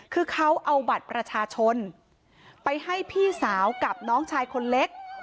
คือเขาเอาบัตรประชาชนไปให้พี่สาวกับน้องชายคนเล็ก